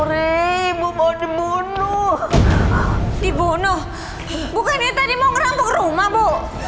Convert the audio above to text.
lebih lebih dibunuh dibunuh bukan itu mau ngerampok rumah bu